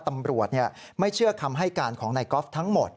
ตำรวจไม่เชื่อคำให้การของนายกอล์ฟทั้งหมด